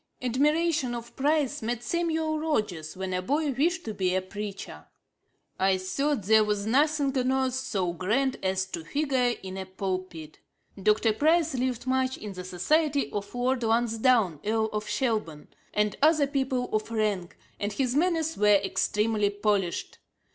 Admiration of Price made Samuel Rogers, when a boy, wish to be a preacher. 'I thought there was nothing on earth so grand as to figure in a pulpit. Dr. Price lived much in the society of Lord Lansdowne [Earl of Shelburne] and other people of rank; and his manners were extremely polished.